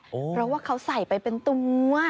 เพราะว่าเขาใส่ไปเป็นตัว